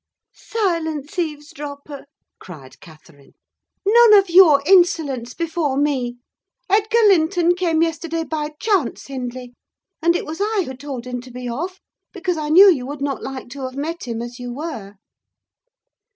"Silence, eavesdropper!" cried Catherine; "none of your insolence before me! Edgar Linton came yesterday by chance, Hindley; and it was I who told him to be off: because I knew you would not like to have met him as you were."